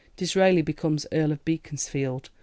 Disraeli becomes Earl of Beaconsfield.